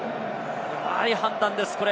いい判断です。